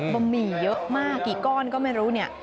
บะหมี่เยอะมากกี่ก้อนก็ไม่รู้เนี่ย